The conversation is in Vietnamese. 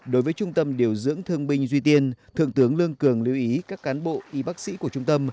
đối với trung tâm điều dưỡng thương binh duy tiên thượng tướng lương cường lưu ý các cán bộ y bác sĩ của trung tâm